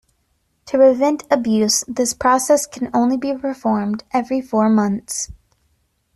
To prevent abuse, this process can only be performed every four months.